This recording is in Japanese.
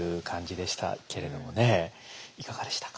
いかがでしたか？